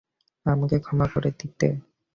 আমাকে ক্ষমা করে দিতে।